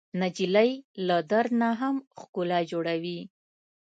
نجلۍ له درد نه هم ښکلا جوړوي.